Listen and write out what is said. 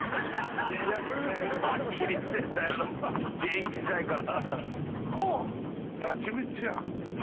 現役時代から。